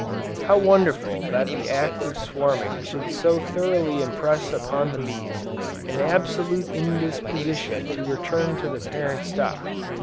How wonderful that the act of swarming should so thoroughly impress upon the bees, an absolute indisposition to return to the parent stock.